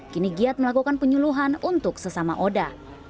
kini giat melakukan penyuluhan untuk sesama oda